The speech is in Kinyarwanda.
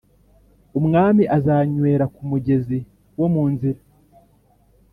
Umwami azanywera ku mugezi wo mu nzira,